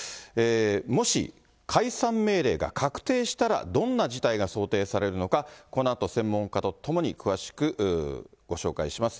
もし解散命令が確定したら、どんな事態が想定されるのか、このあと専門家と共に詳しくご紹介します。